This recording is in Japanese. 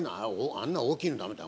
あんな大きいの駄目だよ。